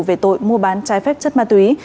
về tội mua bán trái phép chất ma túy